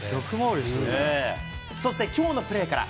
そしてきょうのプレーから。